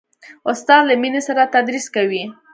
استاد له مینې سره تدریس کوي.